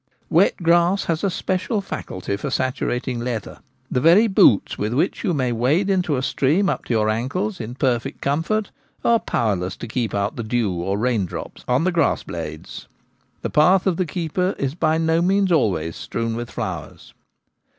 Wet grass has a special faculty for saturating leather. The very boots with which you may wade into a stream up to your ankles in perfect comfort are powerless to keep out the dew or raindrops on the grass blades. The path of the keeper is by no means always strewn with flowers.